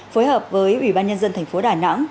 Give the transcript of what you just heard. phối hợp với ủy ban nhân dân thành phố đà nẵng